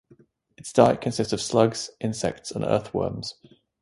Its diet consists of slugs, insects, and earthworms.